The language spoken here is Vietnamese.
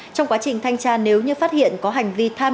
trong quá trình thanh tra nếu như phát hiện có hành vi tham